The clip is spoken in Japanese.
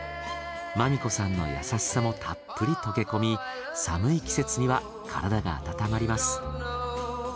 麻美子さんの優しさもたっぷり溶け込み寒い季節には体が温まります。